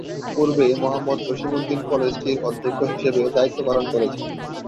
পূর্বে মোহাম্মদ জসিম উদ্দিন কলেজটির অধ্যক্ষ হিসেবে দায়িত্ব পালন করেছেন।